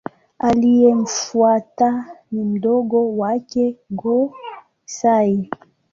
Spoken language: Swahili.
Aliyemfuata ni mdogo wake Go-Sai.